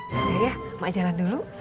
ya ya mak jalan dulu